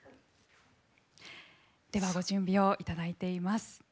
ではご準備をいただいています。